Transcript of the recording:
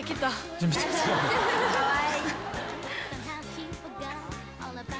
かわいい！